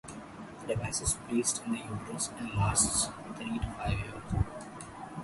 The device is placed in the uterus and lasts three to five years.